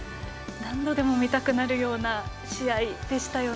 何度でも見たくなる試合でしたよね。